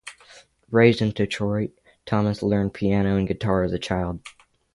Raised in Detroit, Thomas learned piano and guitar as a child.